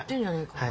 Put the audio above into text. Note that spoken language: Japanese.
はい。